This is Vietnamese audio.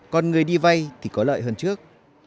còn người đi vay thì có lợi hơn trước